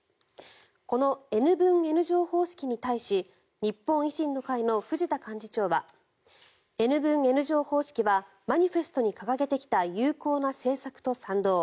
このＮ分Ｎ乗方式に対し日本維新の会の藤田幹事長はＮ分Ｎ乗方式はマニフェストに掲げてきた有効な政策と賛同。